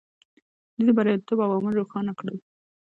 دوی د بریالیتوب عوامل روښانه کړل.